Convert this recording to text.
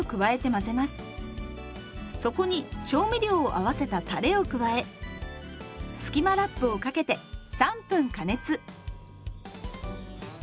そこに調味料を合わせたたれを加えスキマラップをかけて３分加熱。